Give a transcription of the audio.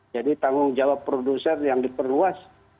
jadi tanggung jawab produser yang diperluas